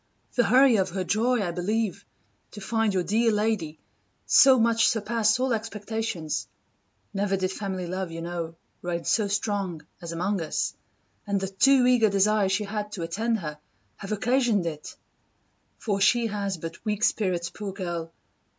The hurry of her joy, I believe, to find your dear lady so much surpass all expectations, [never did family love, you know, reign so strong as among us,] and the too eager desire she had to attend her, have occasioned it! For she has but weak spirits, poor girl!